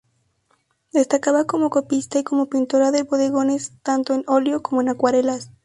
Destacaba como copista y como pintora de bodegones, tanto en óleo como acuarelas.